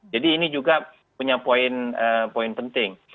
jadi ini juga punya poin penting